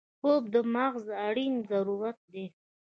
خوب د مغز اړین ضرورت دی